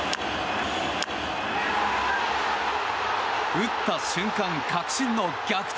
打った瞬間確信の逆転